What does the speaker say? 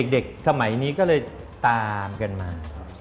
เด็กสมัยนี้ก็เลยตามกันมา